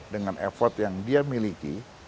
dengan effort yang dia miliki